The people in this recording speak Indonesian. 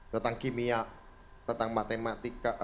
tentang kimia tentang matematika